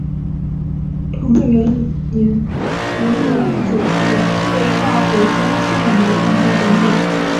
同治元年十一月二十九日被大火将书与楼一并焚毁。